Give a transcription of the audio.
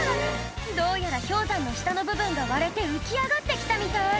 どうやら氷山の下の部分が割れて浮き上がって来たみたい